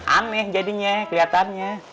aneh jadinya keliatannya